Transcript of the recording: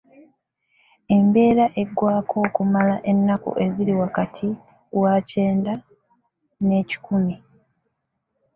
Ebeera eggwako okumala ennaku eziri wakati wa kyenda ne kikumi.